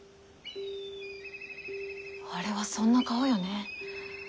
あれはそんな顔よね。